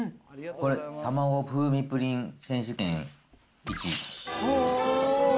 これ、卵風味プリン選手権１位。